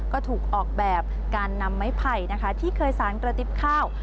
ก็ถูกออกแบบการนำไม้ไผ่นะคะที่เคยสารกระติบข้าว